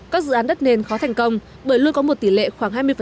các dự án đất nền khó thành công bởi luôn có một tỷ lệ khoảng